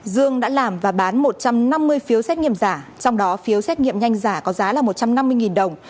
dương đã làm và bán một trăm năm mươi phiếu xét nghiệm giả trong đó phiếu xét nghiệm nhanh giả có giá là một trăm năm mươi đồng